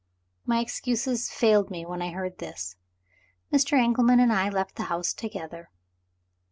My excuses failed me when I heard this. Mr. Engelman and I left the house together.